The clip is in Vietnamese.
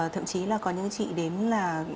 thậm chí là có những chị đến là